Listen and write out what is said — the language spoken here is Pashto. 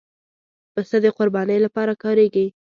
پسه د قربانۍ لپاره کارېږي.